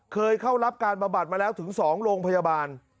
เคยเข้ารับการบำบัดมาแล้วถึง๒โรงพยาบาล